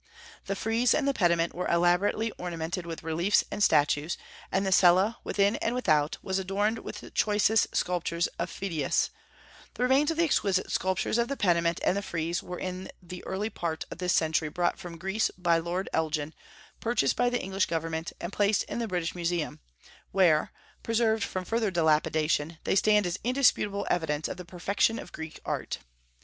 The frieze and the pediment were elaborately ornamented with reliefs and statues, and the cella, within and without, was adorned with the choicest sculptures of Phidias, The remains of the exquisite sculptures of the pediment and the frieze were in the early part of this century brought from Greece by Lord Elgin, purchased by the English government, and placed in the British Museum, where, preserved from further dilapidation, they stand as indisputable evidence of the perfection of Greek art.